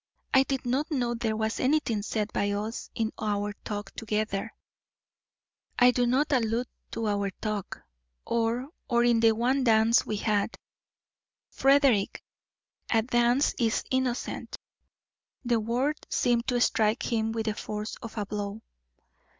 I did not know there was anything said by us in our talk together " "I do not allude to our talk." "Or or in the one dance we had " "Frederick, a dance is innocent." The word seemed to strike him with the force of a blow.